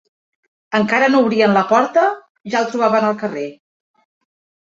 Encara no obrien la porta ja el trobaven al carrer